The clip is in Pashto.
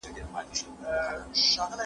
ایا مسلکي باغوان شین ممیز پلوري؟